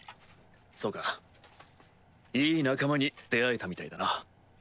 そうかいい仲間に出会えたみたいだな。